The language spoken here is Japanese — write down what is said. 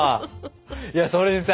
いやそれにさ